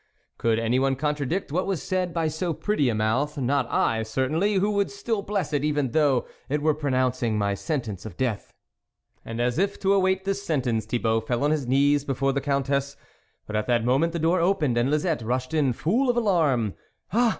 could any one contradict what was said by so pretty a mouth ? not I certainly, who would still bless it, even though it were pronouncing my sentence of death." And, as if to await this sentence, Thi bault fell on his knees before the Countess, but at that moment, the door opened, and Lisette rushed in full of alarm. " Ah